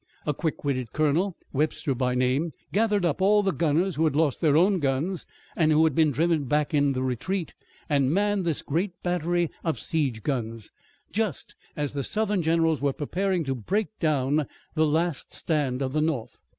A quick witted colonel, Webster by name, gathered up all the gunners who had lost their own guns and who had been driven back in the retreat, and manned this great battery of siege guns, just as the Southern generals were preparing to break down the last stand of the North.